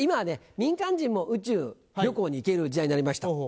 民間人も宇宙旅行に行ける時代になりました。